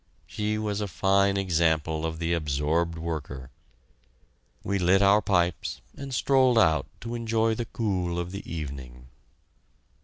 She was a fine example of the absorbed worker. We lit our pipes and strolled out to enjoy the cool of the evening.